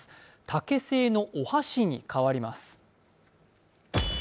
竹製のお箸に変わります。